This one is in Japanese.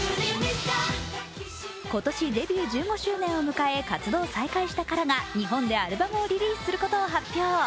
今年デビュー１５周年を迎え活動を再開したＫＡＲＡが日本でアルバムをリリースすることを発表。